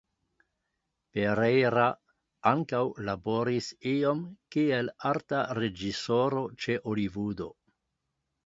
Pereira ankaŭ laboris iom kiel arta reĝisoro ĉe Holivudo.